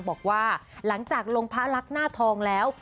บอกว่าหลังจากลงพระลักษณ์หน้าทองแล้ว